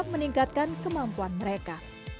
meningkatkan kemampuan mereka